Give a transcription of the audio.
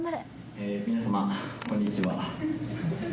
ええ皆様こんにちは。